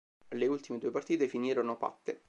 Le ultime due partite finirono patte.